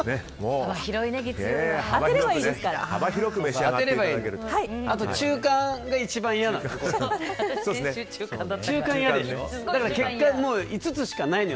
あと、中間が一番いやなの。